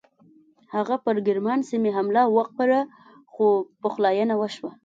هغه پر ګرمان سیمې حمله وکړه خو پخلاینه وشوه.